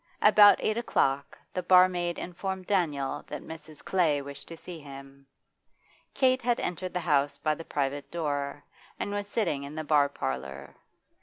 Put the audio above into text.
About eight o'clock the barmaid informed Daniel that Mrs. Clay wished to see him. Kate had entered the house by the private door, and was sitting in the bar parlour.